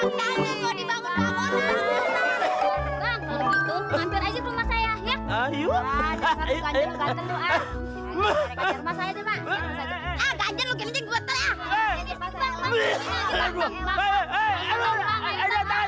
waaa gajahnya kalau dibangun bangunan